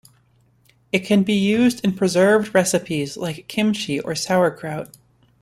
It can be used in preserved recipes like kimchi or sauerkraut.